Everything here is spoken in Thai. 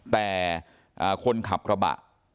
แต่คนขับกระบะ